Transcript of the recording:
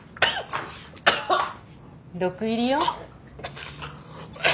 毒入りよ。